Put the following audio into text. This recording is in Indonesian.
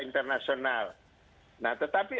internasional nah tetapi